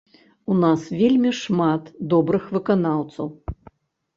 У нас вельмі шмат добрых выканаўцаў.